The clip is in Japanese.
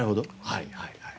はいはいはい。